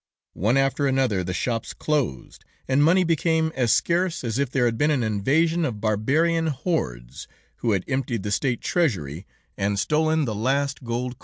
One after another the shops closed, and money became as scarce as if there had been an invasion of barbarian hordes, who had emptied the State treasury, and stolen the last gold coin.